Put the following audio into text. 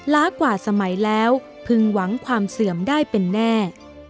ล้ากว่าสมัยแล้วพึงหวังความเสื่อมได้เป็นแน่